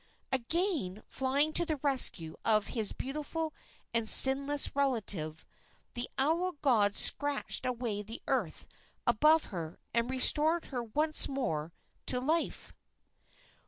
Again flying to the rescue of his beautiful and sinless relative, the owl god scratched away the earth above her and restored her once more to life.